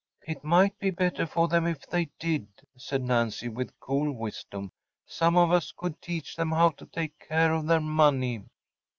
‚ÄĚ “It might be better for them if they did,‚ÄĚ said Nancy, with cool wisdom. “Some of us could teach them how to take care of their money.